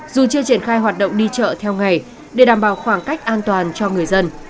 dù chưa triển khai hoạt động đi chợ theo ngày để đảm bảo khoảng cách an toàn cho người dân